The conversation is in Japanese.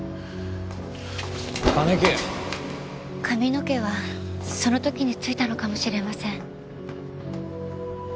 髪の毛はその時に付いたのかもしれません。